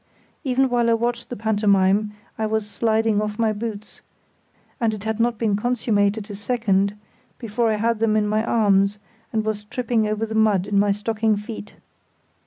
Even while I watched the pantomime I was sliding off my boots, and it had not been consummated a second before I had them in my arms and was tripping over the mud in my stocking feet.